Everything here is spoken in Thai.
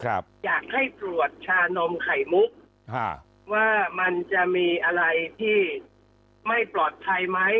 อยากให้ตรวจชานมไข่มุกฮะว่ามันจะมีอะไรที่ไม่ปลอดภัยไหม